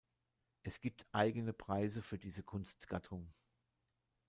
Es gibt eigene Preise für diese Kunstgattung.